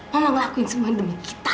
mama ngelakuin semua ini demi kita